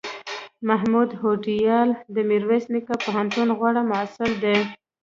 محمود هوډیال دمیرویس نیکه پوهنتون غوره محصل دی